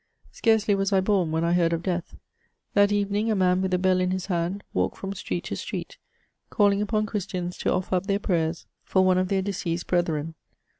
Scarcely was I bom when I heard of death : that evening a man with a bell in his hand walked from street to street, calling upon^ Christians to offer up their prayers for one of their deceased brethren.